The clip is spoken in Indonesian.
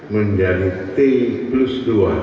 menjadi t plus dua